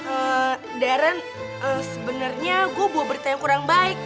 eh darren sebenernya gue bawa berita yang kurang baik